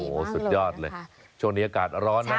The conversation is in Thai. โอ้โหสุดยอดเลยช่วงนี้อากาศร้อนนะ